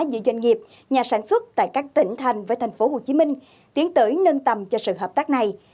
giữa doanh nghiệp nhà sản xuất tại các tỉnh thành với tp hcm tiến tới nâng tầm cho sự hợp tác này